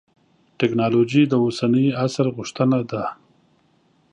تکنالوجي د اوسني عصر غوښتنه ده.